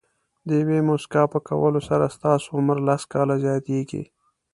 د یوې موسکا په کولو سره ستاسو عمر لس کاله زیاتېږي.